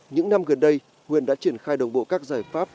những năm gần đây huyện đã triển khai đồng bộ các giải pháp